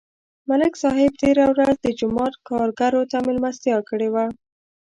ملک صاحب تېره ورځ د جومات کارګرو ته مېلمستیا کړې وه